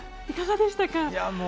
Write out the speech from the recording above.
いかがでしたか。